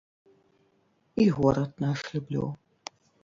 І горад наш люблю.